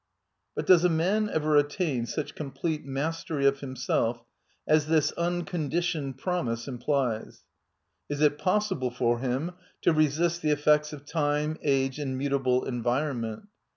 LBut does a man ever attain such complete mas tery of himself as this unconditioned promise im plies? Is it possible for him to resist the effects of time, age and mutable environment?